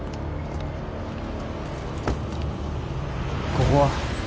ここは？